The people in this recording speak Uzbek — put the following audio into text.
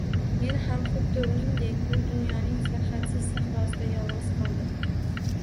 Men ham xuddi uningdek bu dunyoning sarhadsiz sahrosida yolg`iz qoldim